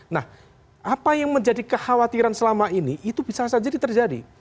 nah apa yang menjadi kekhawatiran selama ini itu bisa saja terjadi